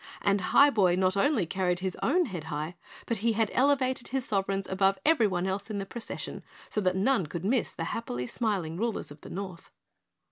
And Highboy not only carried his own head high, but he had elevated his sovereigns above everyone else in the procession so that none could miss the happily smiling rulers of the North.